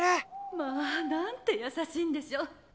・まあなんて優しいんでしょう。